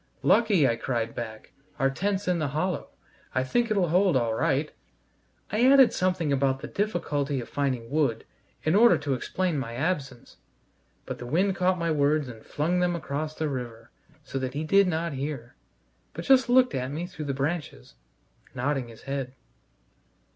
"Lucky," I cried back, "our tent's in the hollow. I think it'll hold all right." I added something about the difficulty of finding wood, in order to explain my absence, but the wind caught my words and flung them across the river, so that he did not hear, but just looked at me through the branches, nodding his head.